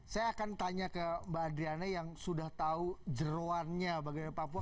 saya akan tanya ke mbak adriana yang sudah tahu jeruannya bagaimana papua